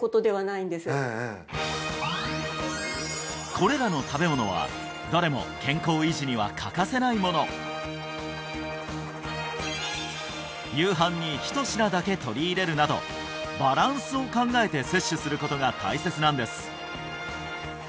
これらの食べ物はどれも夕飯にひと品だけ取り入れるなどバランスを考えて摂取することが大切なんです